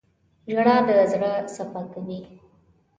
• ژړا د زړه صفا کوي.